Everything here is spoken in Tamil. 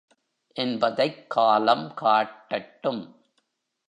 என்பதைக் காலம் காட்டட்டும்.